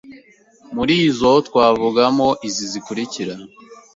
Muri zo twavugamo izi zikurikira